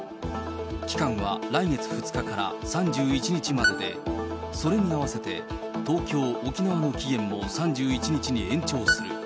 期間は来月２日から３１日までで、それに合わせて、東京、沖縄の期限も３１日に延長する。